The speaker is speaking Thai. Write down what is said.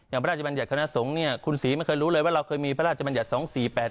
อย่างพระราชบัญญาณคณะสงศ์คุณศรีไม่เคยรู้เลยว่าเราเคยมีพระราชบัญญาณ๒๔๘๔